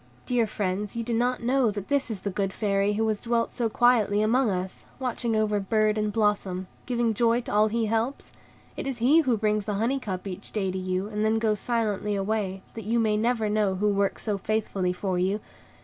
"Dear friends, do you not know that this is the good Fairy who has dwelt so quietly among us, watching over bird and blossom, giving joy to all he helps? It is HE who brings the honey cup each day to you, and then goes silently away, that you may never know who works so faithfully for you.